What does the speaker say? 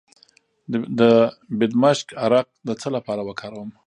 د بیدمشک عرق د څه لپاره وکاروم؟